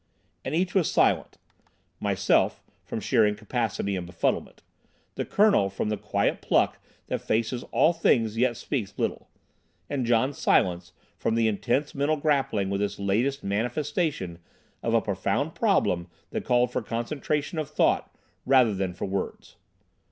And each was silent—myself from sheer incapacity and befuddlement, the Colonel from the quiet pluck that faces all things yet speaks little, and John Silence from the intense mental grappling with this latest manifestation of a profound problem that called for concentration of thought rather than for any words.